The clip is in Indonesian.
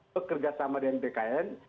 pekerja sama dengan bkn